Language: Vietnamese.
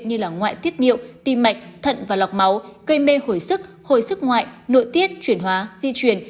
như ngoại tiết nhiệu tim mạch thận và lọc máu gây mê hồi sức hồi sức ngoại nội tiết chuyển hóa di truyền